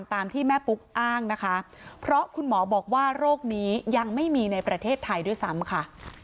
ตามที่แม่ปุ๊กอ้างนะคะเพราะคุณหมอบอกว่าโรคนี้ยังไม่มีในประเทศไทยด้วยซ้ำค่ะ